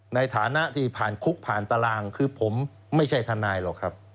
ในฐานะที่ผ่านคุกผ่านตารางคือผมไม่ใช่ทนายหรอกครับ